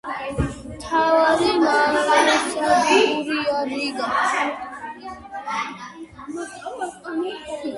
მთავარი ნავსადგურია რიგა.